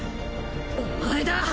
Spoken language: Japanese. お前だ！